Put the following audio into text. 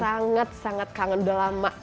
sangat sangat kangen udah lama